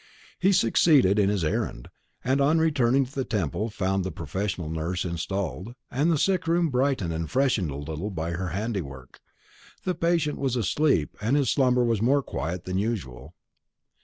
He succeeded in his errand; and on returning to the Temple found the professional nurse installed, and the sick room brightened and freshened a little by her handiwork. The patient was asleep, and his slumber was more quiet than usual.